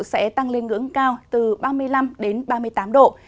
sẽ tăng lên ngưỡng cao từ ba mươi năm ba mươi tám độ